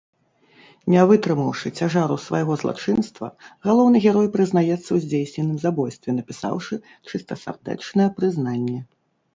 Не вытрымаўшы цяжару свайго злачынства, галоўны герой прызнаецца ў здзейсненым забойстве, напісаўшы чыстасардэчнае прызнанне.